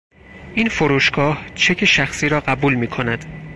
این فروشگاه چک شخصی را قبول میکند.